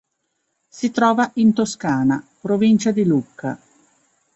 Si trova in Toscana, provincia di Lucca.